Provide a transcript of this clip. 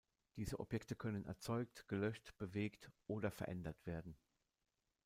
Diese Objekte können erzeugt, gelöscht, bewegt, oder verändert werden.